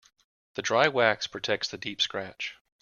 The dry wax protects the deep scratch.